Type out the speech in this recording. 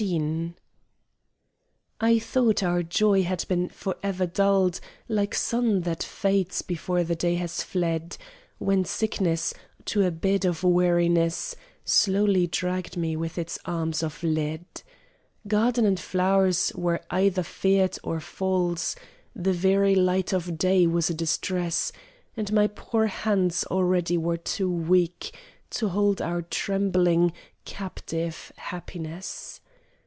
XV I thought our joy had been forever dulled Like sun that fades before the day has fled, When sickness, to a bed of weariness, Slowly dragged me with its arms of lead. Garden and flow'rs were either feared or false; The very light of day was a distress; And my poor hands already were too weak To hold our trembling, captive, happiness.